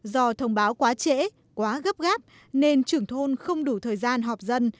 do thông báo quá trễ quá gấp gáp nên trưởng thôn không đủ thời gian họp dân